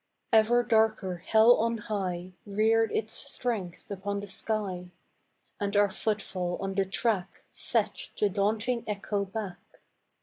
Ever darker hell on high Reared its strength upon the sky, And our footfall on the track Fetched the daunting echo back.